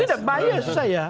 tidak bias saya